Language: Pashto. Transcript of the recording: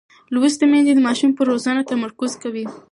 لوستې میندې د ماشوم پر روزنه تمرکز کوي.